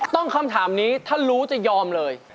คำถามนี้ถ้ารู้จะยอมเลย